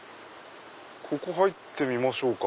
ここ入ってみましょうか。